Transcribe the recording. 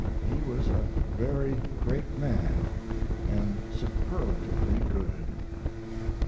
He was a very great man and superlatively good.